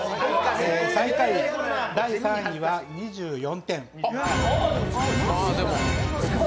最下位、第３位は２４点。